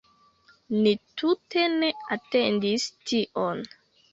Ni tute ne atendis tion